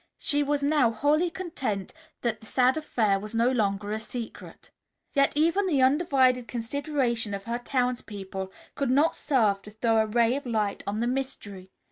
She was now wholly content that the sad affair was no longer a secret. Yet even the undivided consideration of her townspeople could not serve to throw a ray of light on the mystery.